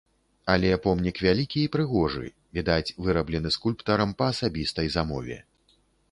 Але помнік вялікі і прыгожы, відаць, выраблены скульптарам па асабістай замове.